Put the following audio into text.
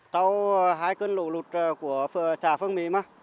sau hai cơn lũ lụt của chả phương mỹ